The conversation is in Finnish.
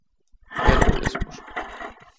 Velvollisuus.